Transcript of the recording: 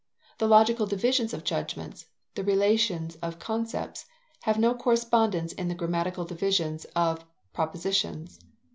The logical divisions of judgments (the relations of concepts) have no correspondence in the grammatical division of propositions.